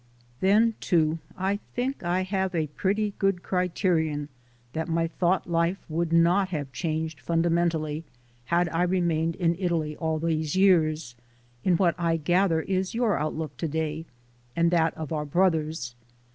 Then, too, I think I have a pretty good criterion that my thought life would not have changed funda mentally had I remained in Italy all these years, in what I gather is your outlook to day, and that of our brothers.